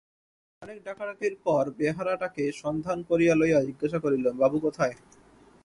অনেক ডাকাডাকির পর বেহারাটাকে সন্ধান করিয়া লইয়া জিজ্ঞাসা করিল, বাবু কোথায়?